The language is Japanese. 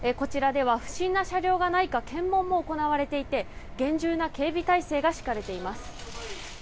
「不審な車両がないか検問も行われていて厳重な警備体制が敷かれています」